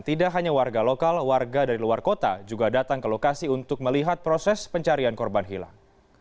tidak hanya warga lokal warga dari luar kota juga datang ke lokasi untuk melihat proses pencarian korban hilang